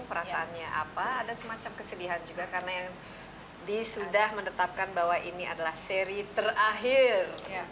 perasaannya apa ada semacam kesedihan juga karena yang sudah menetapkan bahwa ini adalah seri terakhir